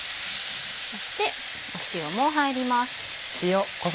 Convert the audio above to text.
そして塩も入ります。